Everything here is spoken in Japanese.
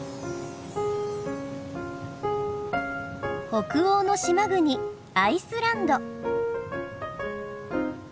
北欧の島国アイスランド。